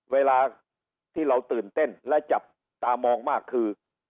เวลาที่เราตื่นเต้นและจับตามองมากคือ